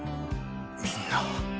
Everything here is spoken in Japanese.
みんな。